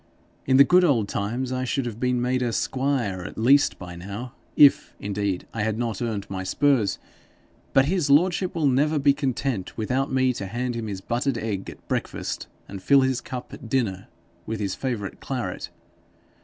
In the good old times I should have been a squire at least by now, if, indeed, I had not earned my spurs; but his lordship will never be content without me to hand him his buttered egg at breakfast, and fill his cup at dinner with his favourite claret.